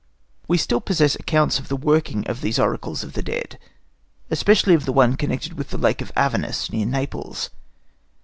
We still possess accounts of the working of these oracles of the dead, especially of the one connected with the Lake of Avernus, near Naples.